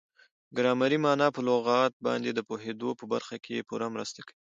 ګرامري مانا په لغاتو باندي د پوهېدو په برخه کښي پوره مرسته کوي.